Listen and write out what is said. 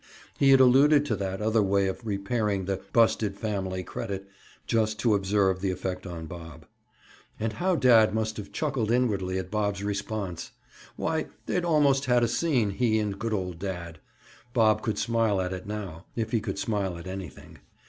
He had alluded to that other way of repairing the "busted family credit" just to observe the effect on Bob. And how dad must have chuckled inwardly at Bob's response! Why, they'd almost had a scene, he and good old dad. Bob could smile at it now—if he could smile at anything.